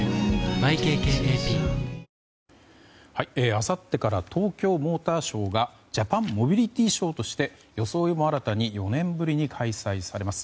あさってから東京モーターショーがジャパンモビリティショーとして装いも新たに４年ぶりに開催されます。